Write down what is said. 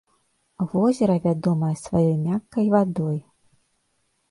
Возера вядомае сваёй мяккай вадой.